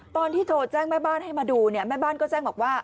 ตอนที่โทรแจ้งแม่บ้านให้มาดูเนี่ยแม่บ้านก็แจ้งบอกว่า